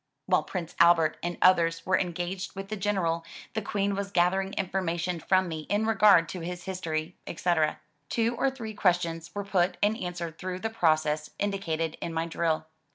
While Prince Albert and others were i66 THE TREASURE CHEST engaged with the General, the Queen was gathering information from me in regard to his history, etc. Two or three questions were put and answered through the process indicated in my drill.